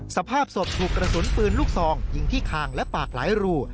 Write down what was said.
สภาพศพถูกกระสุนปืนลูกซองยิงที่คางและปากหลายรู